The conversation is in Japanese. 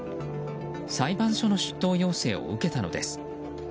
裁判所の出頭要請を受けたのです。